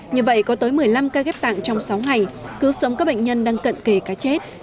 như vậy có tới một mươi năm ca ghép tạng trong sáu ngày cứu sống các bệnh nhân đang cận kề cá chết